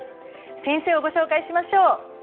先生をご紹介しましょう。